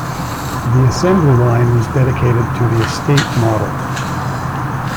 The assembly line was dedicated to the estate model.